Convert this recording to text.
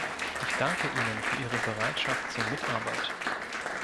Ich danke ihnen für ihre Bereitschaft zur Mitarbeit.